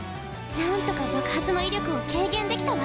何とか爆発の威力を軽減できたわ。